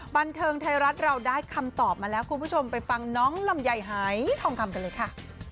บันเทิงไทยรัฐเราได้คำตอบมาแล้วคุณผู้ชมไปฟังน้องลำไยหายทองคำกันเลยค่ะ